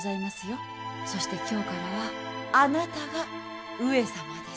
そして今日からはあなたが上様です。